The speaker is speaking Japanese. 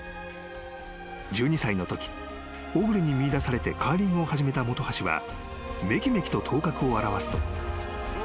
［１２歳のとき小栗に見いだされてカーリングを始めた本橋はめきめきと頭角を現すと］